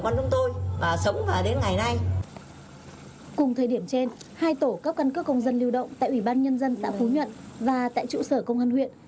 cùng thời điểm trên hai tổ cấp căn cước công dân lưu động tại ủy ban nhân dân xã phú nhuận và tại trụ sở công an huyện